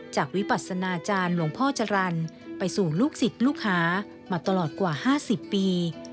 วิปัสนาจารย์หลวงพ่อจรรย์ไปสู่ลูกศิษย์ลูกหามาตลอดกว่า๕๐ปี